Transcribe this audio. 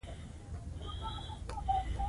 رضا پهلوي د پادشاه مشر زوی و.